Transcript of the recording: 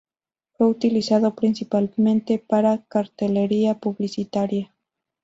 Fue utilizado principalmente para cartelería publicitaria.